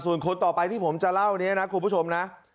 ส่วนคนต่อไปที่ผมจะเล่านี้นะคุณผู้ชมนะ